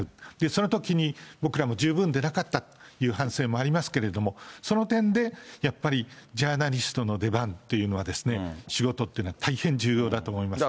そのときに、僕らも十分でなかったっていう反省もありますけれども、その点でやっぱり、ジャーナリストの出番っていうのは、仕事ってのは大変重要だと思います。